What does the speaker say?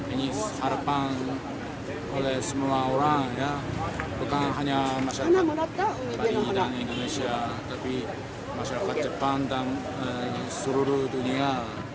ini harapan oleh semua orang bukan hanya masyarakat bali dan indonesia tapi masyarakat jepang dan seluruh dunia